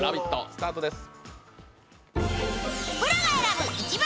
スタートです。